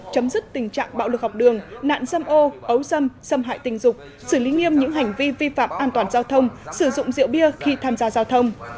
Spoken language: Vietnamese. chấm dứt tình trạng bạo lực học đường nạn xâm ô ấu xâm xâm hại tình dục xử lý nghiêm những hành vi vi phạm an toàn giao thông sử dụng rượu bia khi tham gia giao thông